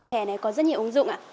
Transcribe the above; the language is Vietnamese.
thẻ này có rất nhiều ứng dụng